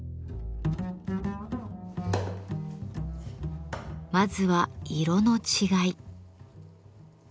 まずは色の違い。